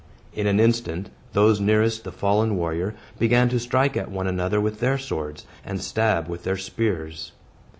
In an instant, those nearest the fallen warrior began to strike at one another with their swords, and stab with their spears.